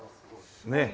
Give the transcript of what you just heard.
ねえ。